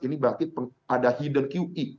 ini berarti ada hidden qe